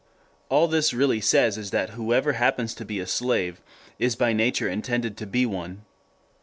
All this really says is that whoever happens to be a slave is by nature intended to be one.